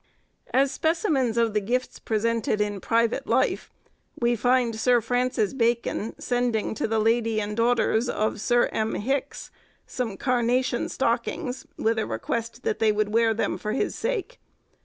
As specimens of the gifts presented in private life, we find Sir Francis Bacon sending to the lady and daughters of Sir M. Hicks some carnation stockings, with a request that they would wear them for his sake.